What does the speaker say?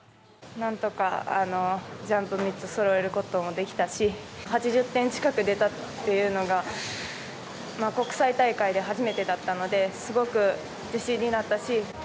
何とかジャンプ３つそろえることもできたし８０点近く出たっていうのが国際大会で初めてだったのですごく自信になったし